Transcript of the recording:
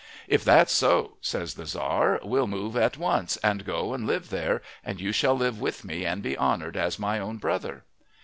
"If that's so," says the Tzar, "we'll move at once, and go and live there, and you shall live with me and be honoured as my own brother."